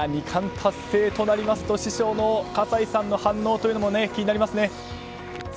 ２冠達成となりますと師匠の葛西さんの反応というのも気になりますね。